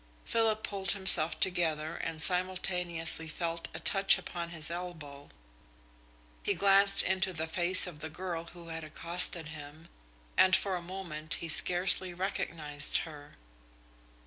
Philip pulled himself together and simultaneously felt a touch upon his elbow. He glanced into the face of the girl who had accosted him, and for a moment he scarcely recognised her.